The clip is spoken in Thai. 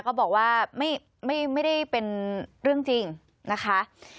เขาบอกว่าไม่ได้เป็นเรื่องจริงนะคะ